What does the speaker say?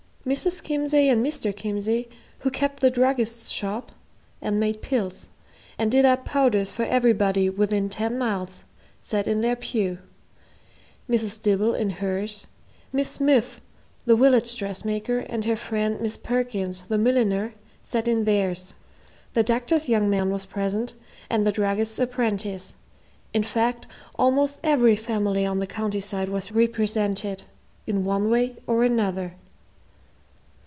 Mrs. Kimsey and Mr. Kimsey, who kept the druggist's shop, and made pills, and did up powders for everybody within ten miles, sat in their pew; Mrs. Dibble in hers; Miss Smiff, the village dressmaker, and her friend Miss Perkins, the milliner, sat in theirs; the doctor's young man was present, and the druggist's apprentice; in fact, almost every family on the county side was represented, in one way or another.